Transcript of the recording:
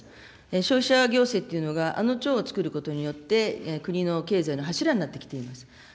消費者行政というのが、あの庁を作ることによって国の経済の柱になってきています。